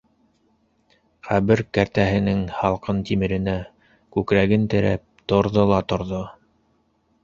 Ҡәбер кәртәһенең һалҡын тимеренә күкрәген терәп, торҙо ла торҙо.